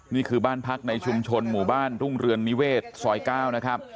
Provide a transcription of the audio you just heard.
นี่คือบ้านพักในชุมชนหมู่บ้านรุ่งเรือนนิเวศซอย๙นะครับ